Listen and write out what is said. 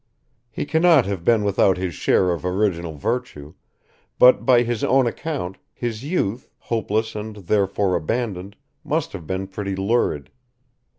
He cannot have been without his share of original virtue, but by his own account, his youth, hopeless and therefore abandoned, must have been pretty lurid.